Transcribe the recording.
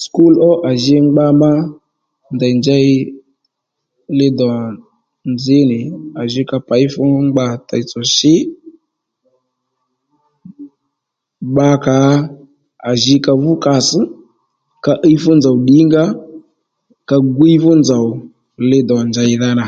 Sùkúl ó à ji gba má ndèy njey li dò nzǐ nì à ji ka pěy fú ngba teytss̀ shí bbakǎ à ji ka vú kàss ka íy fú nzòw ddǐngǎ ka gwíy fú nzòw li dò njèydha nà